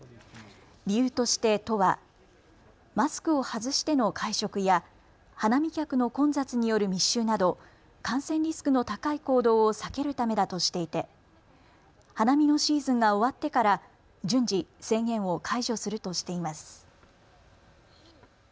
理由として都はマスクを外しての会食や花見客の混雑による密集など感染リスクの高い行動を避けるためだとしていて花見のシーズンが終わってから順次、制限を解除するとしています。